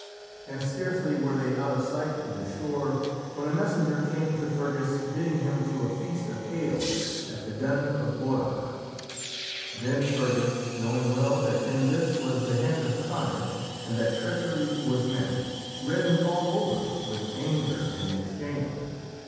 And scarcely were they out of sight of the shore when a messenger came to Fergus, bidding him to a feast of ale at the dun of Borrach. Then Fergus, knowing well that in this was the hand of Conor and that treachery was meant, reddened all over with anger and with shame.